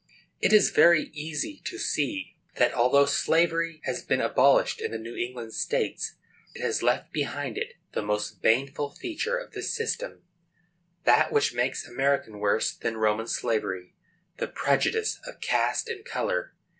It is very easy to see that although slavery has been abolished in the New England States, it has left behind it the most baneful feature of the system—that which makes American worse than Roman slavery—the prejudice of caste and color.